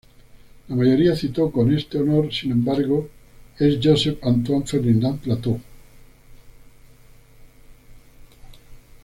La mayoría citó con este honor sin embargo, es Joseph Antoine Ferdinand Plateau.